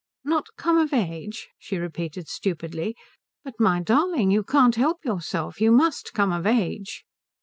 "Not come of age?" she repeated stupidly. "But my darling, you can't help yourself you must come of age."